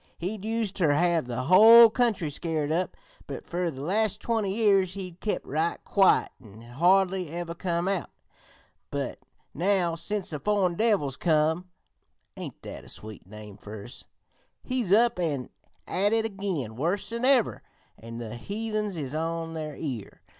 He'd used ter have the whole country scared up, but fer the last twenty years he'd kep' right quiet an' had hardly ever come out; but now sence the foreign devils come (ain't that a sweet name fer us?) he's up an' at it again worse than ever, an' the heathens is on their ear.